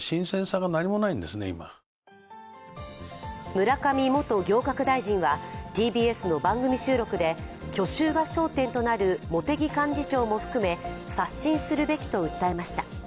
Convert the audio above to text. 村上元行革大臣は、ＴＢＳの番組収録で、去就が焦点となる茂木幹事長も含め刷新するべきと訴えました。